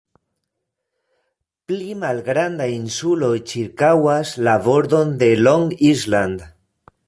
Pli malgrandaj insuloj ĉirkaŭas la bordon de Long Island.